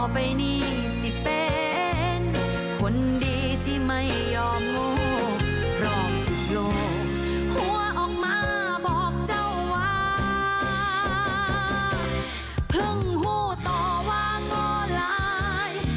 เพลงหู้ต่อว่าง่อร้าย